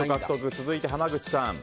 続いて、濱口さん。